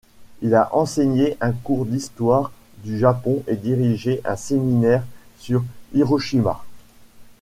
Il a enseigné un cours d'histoire du Japon et dirigé un séminaire sur Hiroshima.